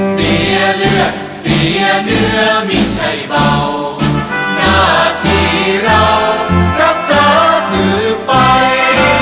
เสียเลือดเสียเนื้อไม่ใช่เบาหน้าที่เรารักษาสื่อไป